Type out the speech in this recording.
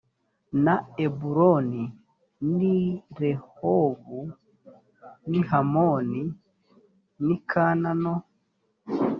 na eburoni n i rehobu n i hamoni n i kana no